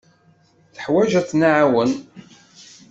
Teḥwaj ad tt-nɛawen.